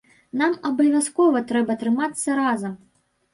Нам абавязкова трэба трымацца разам.